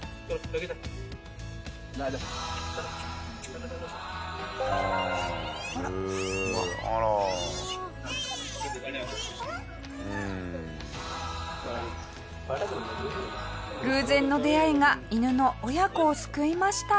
下平：偶然の出会いが犬の親子を救いました。